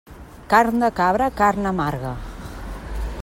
Carn de cabra, carn amarga.